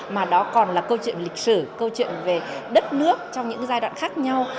mà đó còn là câu chuyện lịch sử câu chuyện về đất nước trong những giai đoạn khác nhau